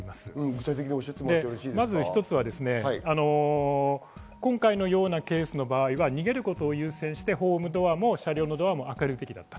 まず一つは、今回のようなケースの場合は逃げることを優先してホームドアも車両のドアも開けるべきだった。